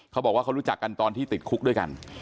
เขาบอกว่าเขารู้จักกันตอนที่ติดคุกด้วยกัน